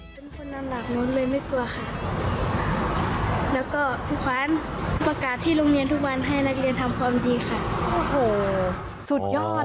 เป็นคนนอนหลับโน้นเลยไม่กลัวค่ะแล้วก็พี่ขวานประกาศที่โรงเรียนทุกวันให้นักเรียนทำความดีค่ะ